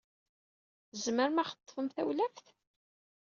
Tzemrem ad aɣ-teṭṭfem tawlaft?